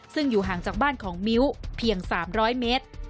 ซึ่งอยู่ห่างจากบ้านของมิ้วเพียง๓๐๐เมตร